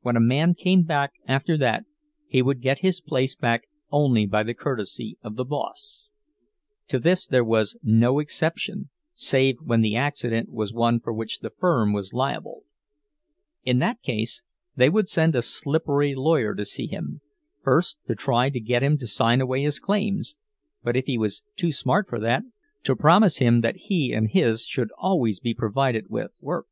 When a man came back after that, he would get his place back only by the courtesy of the boss. To this there was no exception, save when the accident was one for which the firm was liable; in that case they would send a slippery lawyer to see him, first to try to get him to sign away his claims, but if he was too smart for that, to promise him that he and his should always be provided with work.